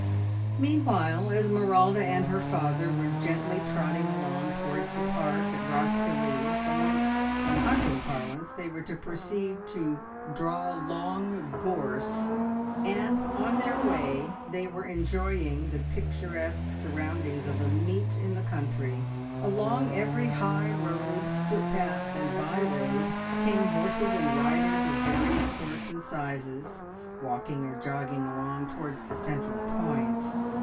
Meanwhile Esmeralda and her father were gently trotting along towards the park at Roskillie, from whence, in hunting parlance, they were to proceed to "draw Long Gorse," and on their way were enjoying the picturesque surroundings of a meet in the country. Along every high road, footpath, and byroad came horses and riders of various sorts and sizes, walking or jogging along towards the central point.